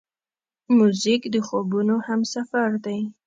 موزیک د خوبونو همسفر دی.